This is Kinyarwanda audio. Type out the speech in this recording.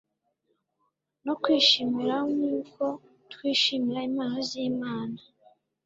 no kwishimira Nkuko twishimira impano zImana